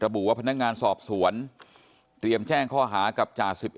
บุว่าพนักงานสอบสวนเตรียมแจ้งข้อหากับจ่า๑๑